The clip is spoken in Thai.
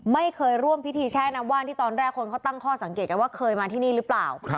ไม่เคยร่วมพิธีแช่น้ำว่านที่ตอนแรกคนเขาตั้งข้อสังเกตกันว่าเคยมาที่นี่หรือเปล่า